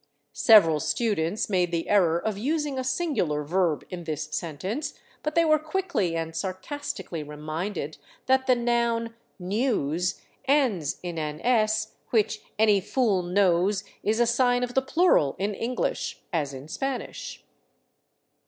'* Sev eral students made the error of using a singular verb in this sentence, but they were quickly and sarcastically reminded that the noun news ends in an s, which any fool knows is a sign of the plural in English, as in Spanish.